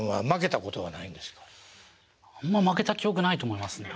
あんま負けた記憶ないと思いますね。